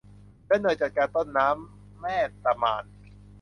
และหน่วยจัดการต้นน้ำแม่ตะมาน